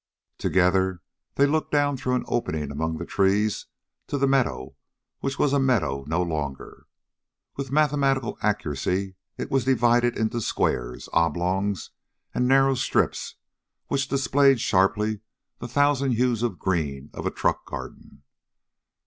Together they looked down through an opening among the trees to the meadow which was a meadow no longer. With mathematical accuracy it was divided into squares, oblongs, and narrow strips, which displayed sharply the thousand hues of green of a truck garden.